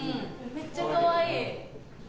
めっちゃかわいい！